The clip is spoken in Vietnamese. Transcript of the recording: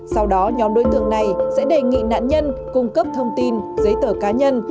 sau đó nhóm đối tượng này sẽ đề nghị nạn nhân cung cấp thông tin giấy tờ cá nhân